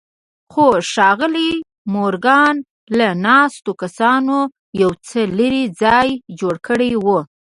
خو ښاغلي مورګان له ناستو کسانو يو څه لرې ځای جوړ کړی و.